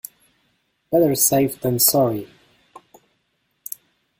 Better safe than sorry.